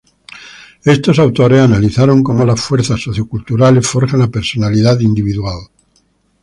Estos autores analizaron cómo las fuerzas socio-culturales forjan la personalidad individual.